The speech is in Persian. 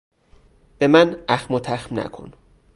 به من اخم و تخم نکن!